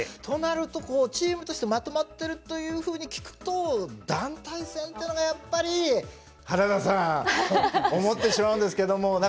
となるとこうチームとしてまとまってるというふうに聞くと団体戦ってのがやっぱり原田さん思ってしまうんですけども。